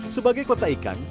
sebagai kota ikan